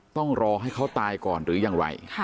ต้องรอให้เขาตายก่อนหรือยังไร